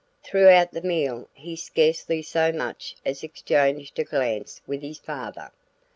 Throughout the meal he scarcely so much as exchanged a glance with his father.